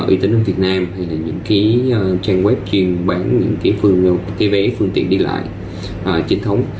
y tín ở việt nam hay là những cái trang web chuyên bán những cái vé phương tiện đi lại trinh thống